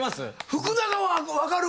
福長は分かる。